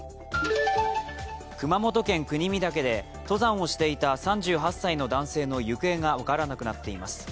熊本県国見岳で登山をしていた３８歳の男性の行方が分からなくなっています。